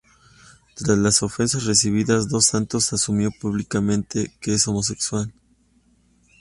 Tras las ofensas recibidas, Dos Santos asumió públicamente que es homosexual.